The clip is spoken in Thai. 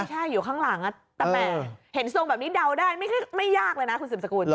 ใช่อยู่ข้างหลังแต่แหมเห็นทรงแบบนี้เดาได้ไม่ยากเลยนะคุณสืบสกุล